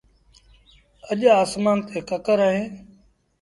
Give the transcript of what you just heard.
اَڄ آسمآݩ تي ڪڪر اهيݩ